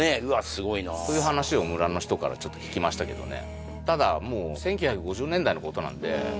すごいなという話を村の人から聞きましたけどね